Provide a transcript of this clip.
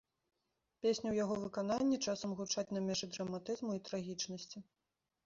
Песні ў яго выкананні часам гучаць на мяжы драматызму і трагічнасці.